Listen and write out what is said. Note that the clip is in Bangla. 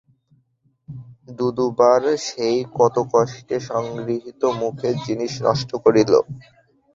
দু-দুবার সেই কত কষ্টে সংগৃহীত মুখের জিনিস নষ্ট করিল!